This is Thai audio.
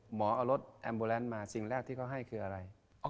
หมอเอารถแอมโบแลนซ์มาสิ่งแรกที่เขาให้คืออะไร